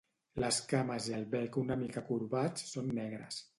Les cames i el bec una mica corbats són negres.